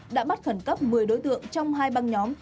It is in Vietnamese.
đã bắt khẩn cấp một mươi đối tượng trong hai băng nhóm